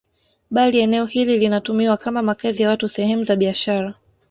Bali eneo hili linatumiwa kama makazi ya watu sehemu za biashara